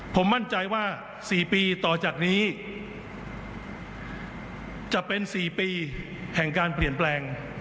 ผมมั่นใจว่า๔ปีต่อจากนี้จะเป็น๔ปีแห่งการเปลี่ยนแปลง